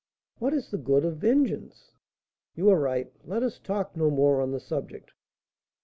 "What is the good of vengeance?" "You are right; let us talk no more on the subject."